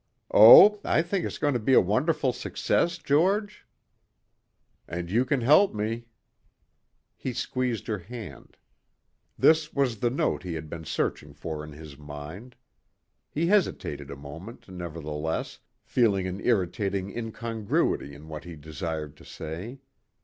"Oh, I think it's going to be a wonderful success, George?" "And you can help me." He squeezed her hand. This was the note he had been searching for in his mind. He hesitated a moment, nevertheless, feeling an irritating incongruity in what he desired to say.